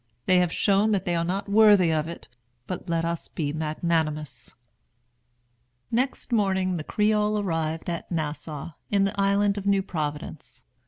They have shown that they are not worthy of it; but let us be magnanimous." Next morning the Creole arrived at Nassau, in the island of New Providence.